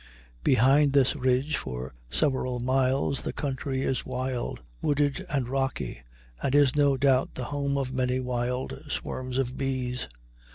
Behind this ridge for several miles the country is wild, wooded, and rocky, and is no doubt the home of many wild swarms of bees.